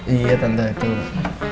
iya tante tinggal